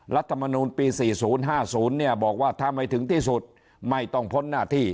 รัฐมนูลปี๔๐๕๐เนี่ยบอกว่าถ้าไม่ถึงที่สุดไม่ต้องพ้นหน้าที่